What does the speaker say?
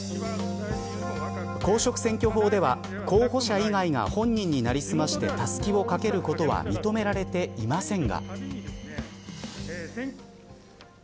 公職選挙法では、候補者以外が本人になりすまして、たすきをかけることは認められていません。